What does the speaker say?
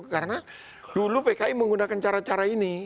karena dulu pki menggunakan cara cara ini